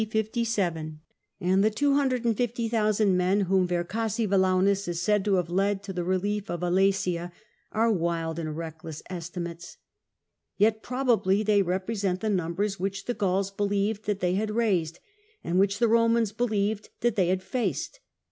57, and the 250,000 men whom Vercassivelaunus is said bo have led to the relief of Alesia are wild and reckless estimates. Yet probably they represent the numbers which the Gauls believed that they had raised, and which the Romans believed that they had faced.